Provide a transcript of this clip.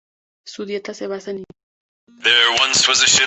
Su dieta se basa en insectos y frutas.